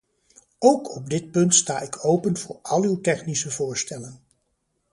Ook op dit punt sta ik open voor al uw technische voorstellen.